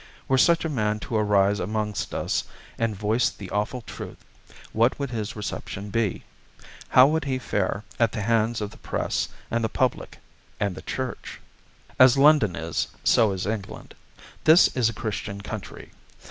Were such a man to arise amongst us and voice the awful truth, what would his reception be? How would he fare at the hands of the Press, and the Public and the Church? As London is, so is England. This is a Christian country.